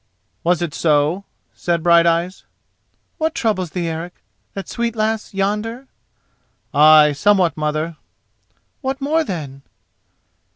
"Was it so?" said Brighteyes. "What troubles thee, Eric?—that sweet lass yonder?" "Ay, somewhat, mother." "What more, then?"